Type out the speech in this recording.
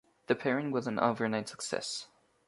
The pairing was an overnight success.